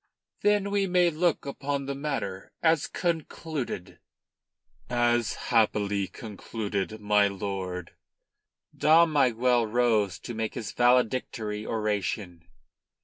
"Then we may look upon the matter as concluded." "As happily concluded, my lord." Dom Miguel rose to make his valedictory oration.